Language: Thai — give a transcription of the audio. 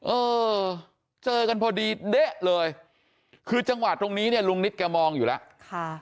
เออเจอกันพอดีเด๊ะเลยคือจังหวะตรงนี้เนี่ยลุงนิดแกมองอยู่แล้วค่ะ